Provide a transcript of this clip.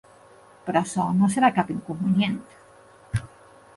Però açò no serà cap inconvenient.